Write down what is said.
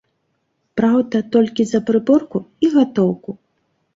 Праўда, толькі за прыборку і гатоўку.